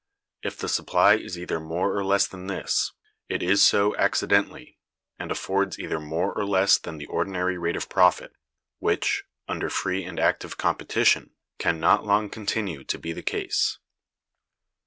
If the supply is either more or less than this, it is so accidentally, and affords either more or less than the ordinary rate of profit, which, under free and active competition, can not long continue to be the case.